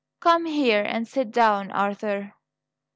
Come here and sit down, Arthur."